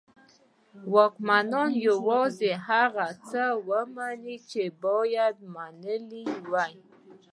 واکمنانو یوازې هغه څه ومنل چې باید منلي وای.